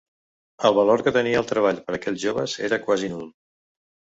El valor que tenia el treball per aquells joves era quasi nul.